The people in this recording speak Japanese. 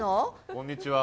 こんにちは。